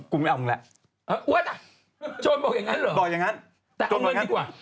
กูไม่เอาเงินแล้วโอ๊ยโจรบอกอย่างนั้นเหรอแต่เอาเงินดีกว่า